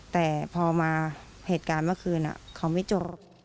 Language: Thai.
แต่พอมาเหตุการณ์เมื่อคืนเขาไม่จบ